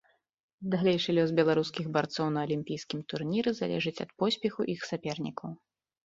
Далейшы лёс беларускіх барцоў на алімпійскім турніры залежыць ад поспеху іх сапернікаў.